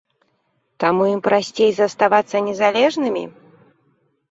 Таму ім прасцей заставацца незалежнымі?